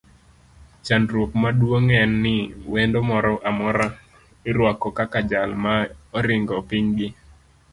Chandruok maduong en ni wendo moro amora iruako kaka jal ma oringo piny gi.